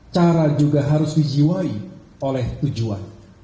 cara juga harus dijiwai oleh tujuan